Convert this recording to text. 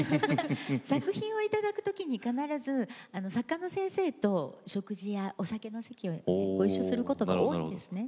作品をいただくときに必ず作家の先生と、食事やお酒の席をごいっしょすることが多いですね。